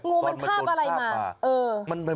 งูมันคาบอะไรมา